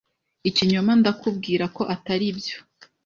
ikinyoma ndakubwira ko ataribyo